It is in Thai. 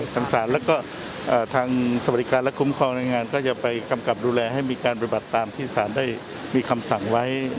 ทางศาลแล้วก็ทางสวัสดิการและคุ้มครองในงานก็จะไปกำกับดูแลให้มีการปฏิบัติตามที่สารได้มีคำสั่งไว้